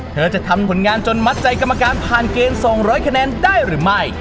เธอจะทำผลงานจนมัดใจกรรมการผ่านเกณฑ์๒๐๐คะแนนได้หรือไม่